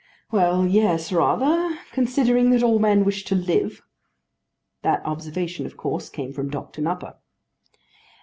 "Well, yes, rather; considering that all men wish to live." That observation, of course, came from Doctor Nupper.